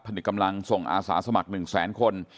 นึกกำลังส่งอาสาสมัคร๑แสนคน